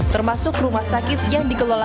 termasuk rumah sakit yang dikelola